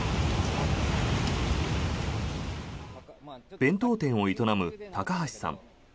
弁当店を営む高橋さん。